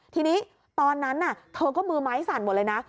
ทีนี้ตอนนั้นเธอก็มือไม้สั่นหมดเลยนะ